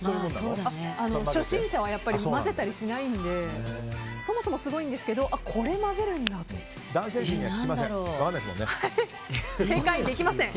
初心者は混ぜたりしないのでそもそもすごいんですけど男性陣には聞きません。